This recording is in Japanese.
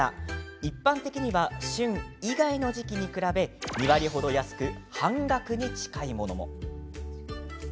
一般的には旬以外の時期に比べ２割程安く、半額に近いものも。